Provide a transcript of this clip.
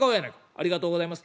「ありがとうございます」。